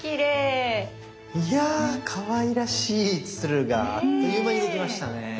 いやあかわいらしい鶴があっという間にできましたね。